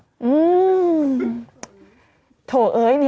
อื้มมมโถ่เอ้ยเมีย